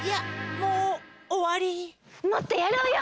もっとやろうよ！